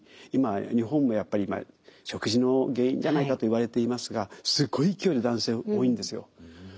今日本もやっぱり食事の原因じゃないかといわれていますがすごい勢いで男性多いんですよ。